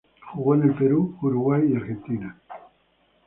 Jugó en el Perú, Uruguay y Argentina.